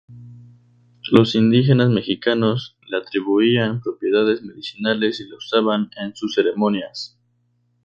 Los indígenas mexicanos le atribuían propiedades medicinales y la usaban en sus ceremonias.